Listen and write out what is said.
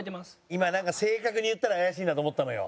今なんか正確に言ったら怪しいなと思ったのよ。